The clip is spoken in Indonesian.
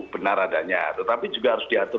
benar adanya tetapi juga harus diatur